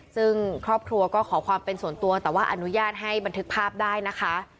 ซึ่งครอบครัวก็ขอความเป็นส่วนตัวแต่ว่าอนุญาตให้บันทึกภาพได้นะคะ